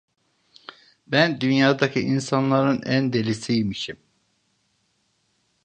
Ben dünyadaki insanların en delisiymişim…